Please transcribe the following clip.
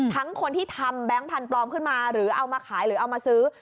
คนที่ทำแบงค์พันธุ์ปลอมขึ้นมาหรือเอามาขายหรือเอามาซื้อ